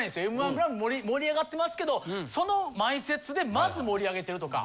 『Ｍ−１グランプリ』盛り上がってますけどその前説でまず盛り上げてるとか。